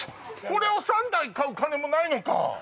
これを３台買う金もないのか！